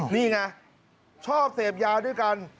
นี่ไงชอบเสพยาด้วยกัน